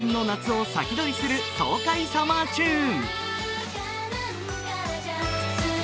２０２２年の夏を先取りする爽快サマーチューン。